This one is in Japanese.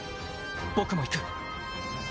僕も行く。